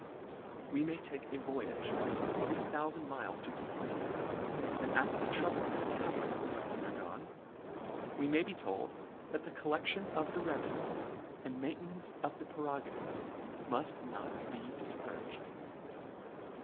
We may take a voyage of three thoufand miles to complain ; and after the trouble and ha zard we have undergone, we may be told, that the collection of the revenue and main tenance of the prerogative, muSt not be dis couraged.